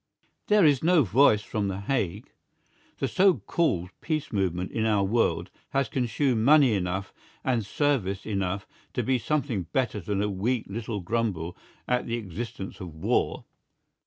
There is no voice from The Hague. The so called peace movement in our world has consumed money enough and service enough to be something better than a weak little grumble at the existence of war.